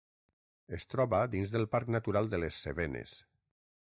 Es troba dins del parc natural de les Cevenes.